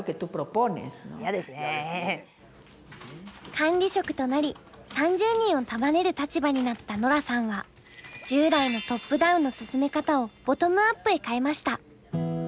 管理職となり３０人を束ねる立場になったノラさんは従来のトップダウンの進め方をボトムアップへ変えました。